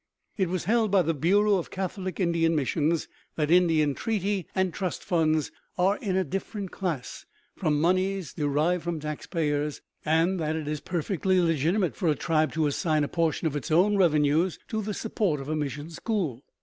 It was held by the Bureau of Catholic Indian missions that Indian treaty and trust funds are in a different class from moneys derived from the taxpayers, and that it is perfectly legitimate for a tribe to assign a portion of its own revenues to the support of a mission school.